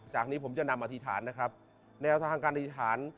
จากนี้ผมจะนำอธิษฐานนะครับแนวทางการอธิษฐาน